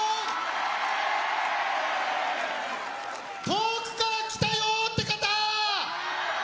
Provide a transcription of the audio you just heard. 遠くから来たよって方！